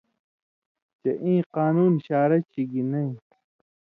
چے ایں قانُون شارہ چھی گی نَیں۔